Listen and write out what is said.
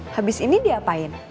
habis ini diapain